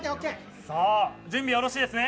準備よろしいですね。